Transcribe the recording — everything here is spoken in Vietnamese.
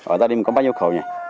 ở gia đình có bao nhiêu khẩu nhỉ